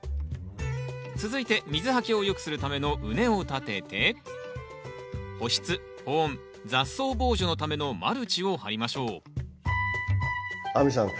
続いて水はけをよくするための畝を立てて保湿・保温・雑草防除のためのマルチを張りましょう亜美さん